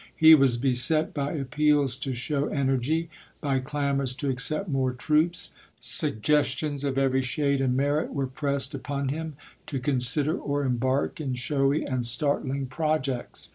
He was beset by appeals to show energy ; by clamors to accept more troops. Sug gestions of every shade and merit were pressed upon him, to consider or embark in showy and startling projects.